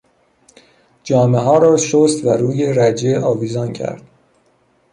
جامهها را شست و روی رجه آویزان کرد.